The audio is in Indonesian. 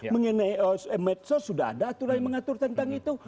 mengenai medsos sudah ada aturan yang mengatur tentang itu